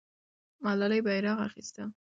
ملالۍ بیرغ اخیسته.